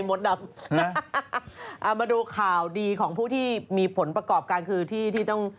มาดูข่าวดีของผู้ที่มีผลประกอบคือที่มีต้อง